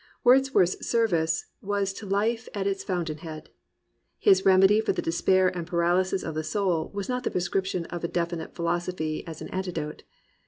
Wordsworth's service was to life at its fountain head. His remedy for the despair and paralysis of the soul was not the prescription of a definite phi losophy as an antidote.